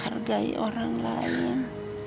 hargai orang lain